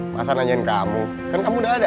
masa nanyain kamu kan kamu udah ada